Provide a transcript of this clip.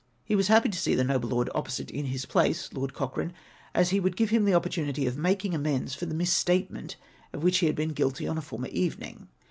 He was happy to see the noble lord opposite in bis place (Lord Cochrane), as he would give him the opportunity of making amends for the mis statement of which he had been guilty on a former evening.